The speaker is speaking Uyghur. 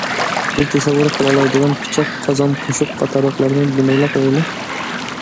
بىز تەسەۋۋۇر قىلالايدىغان پىچاق، قازان، قوشۇق قاتارلىقلارنى دېمەيلا قويايلى.